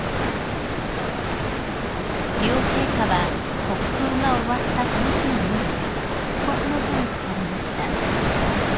［両陛下は国葬が終わったその日の夜帰国の途に就かれました］